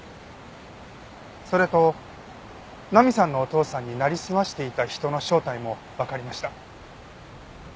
それと菜美さんのお父さんになりすましていた人の正体もわかりました。